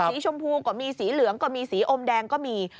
ชมพูก็มีสีเหลืองก็มีสีอมแดงก็มี